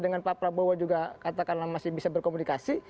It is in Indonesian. dengan pak prabowo juga katakanlah masih bisa berkomunikasi